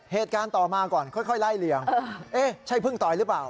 เหตุการณ์ต่อมาก่อนค่อยไล่เลี่ยงเอ๊ะใช่พึ่งต่อยหรือเปล่า